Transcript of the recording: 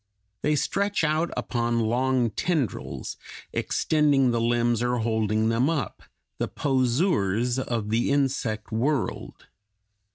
They stretch out upon long tendrils, extending the limbs or holding them up, the poseurs of the insect world.